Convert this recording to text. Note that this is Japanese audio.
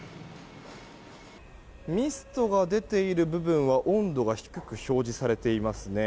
ミストが出ている部分は温度が低く表示されていますね。